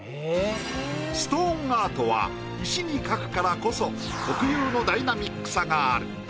ストーンアートは石に描くからこそ特有のダイナミックさがある。